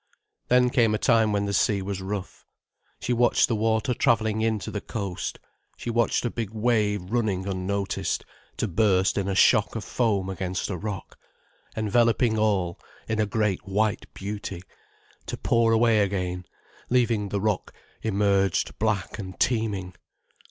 Then came a time when the sea was rough. She watched the water travelling in to the coast, she watched a big wave running unnoticed, to burst in a shock of foam against a rock, enveloping all in a great white beauty, to pour away again, leaving the rock emerged black and teeming.